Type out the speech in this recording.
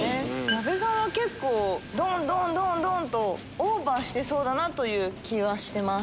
矢部さんは結構ドンドンドンドン！とオーバーしてそうだなという気はしてます。